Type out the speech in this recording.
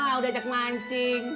aina mau diajak mancing